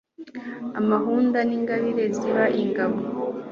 Amahunda n' ingabire zigaba ingabo;